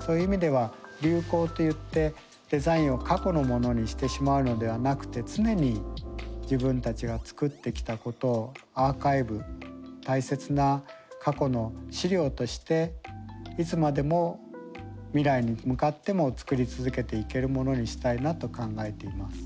そういう意味では流行といってデザインを過去のものにしてしまうのではなくて常に自分たちが作ってきたことをアーカイブ大切な過去の資料としていつまでも未来に向かっても作り続けていけるものにしたいなと考えています。